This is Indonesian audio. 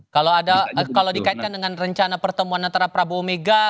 kalau ada kalau dikaitkan dengan rencana pertemuan antara prabowo mega